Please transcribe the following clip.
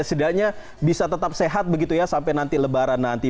setidaknya bisa tetap sehat begitu ya sampai nanti lebaran nanti